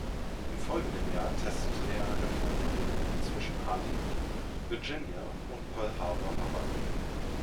Im folgenden Jahr testete er eine Funkverbindung zwischen Arlington, Virginia und Pearl Harbor, Hawaii.